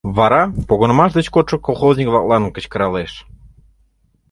Вара погынымаш деч кодшо колхозник-влаклан кычкыралеш: